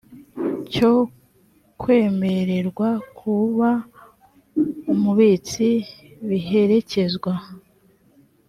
cyo kwemererwa kuba umubitsi biherekezwa